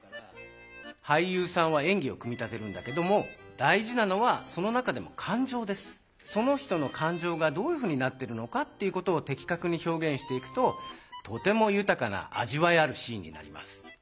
俳優さんは演技を組み立てるんだけどもその人の感情がどういうふうになってるのかっていうことをてきかくに表現していくととてもゆたかなあじわいあるシーンになります。